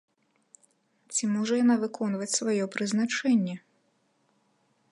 Ці можа яна выконваць сваё прызначэнне?